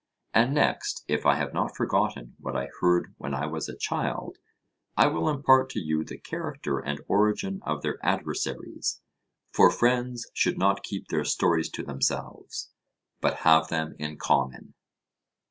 And next, if I have not forgotten what I heard when I was a child, I will impart to you the character and origin of their adversaries. For friends should not keep their stories to themselves, but have them in common.